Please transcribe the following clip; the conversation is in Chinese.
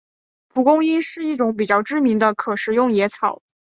蒲公英是一种比较知名的可食用野草。